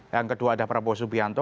yang kedua ada prabowo subianto